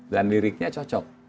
dan liriknya cocok